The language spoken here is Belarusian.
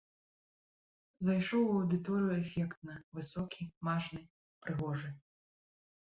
Зайшоў у аўдыторыю эфектна, высокі, мажны, прыгожы.